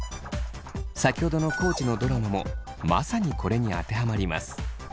先ほどの地のドラマもまさにこれに当てはまります。